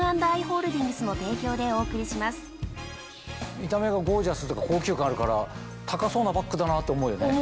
見た目がゴージャスというか高級感あるから高そうなバッグだなって思うよね。